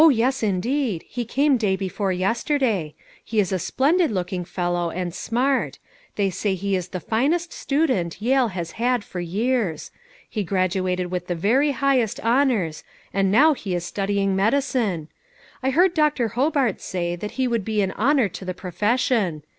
O, yes indeed ! He came day before yester day ; he is a splendid looking fellow, and smart ; they say he is the finest student Yale has had for years. He graduated with the very highest honors, and now he is studying medicine. I heard Dr. Hobart say that he would be an honor to the profession.